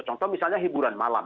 contoh misalnya hiburan malam